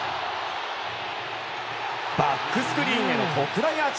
バックスクリーンへの特大アーチ。